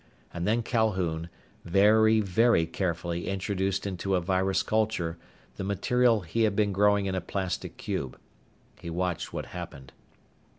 And then Calhoun very, very carefully introduced into a virus culture the material he had been growing in a plastic cube. He watched what happened.